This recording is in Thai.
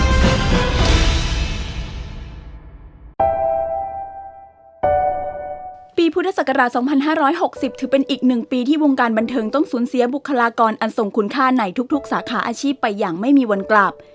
ปีพุทธศักราช๒๕๖๐ถือเป็นอีกหนึ่งปีที่วงการบันเทิงต้องสูญเสียบุคลากรอันทรงคุณค่าในทุกสาขาอาชีพไปอย่างไม่มีวันกลับ